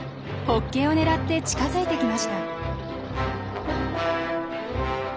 ホッケを狙って近づいてきました。